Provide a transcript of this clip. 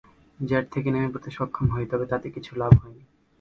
Jet থেকে নেমে পড়তে সক্ষম হই, তবে তাতে কিছু লাভ হয়নি।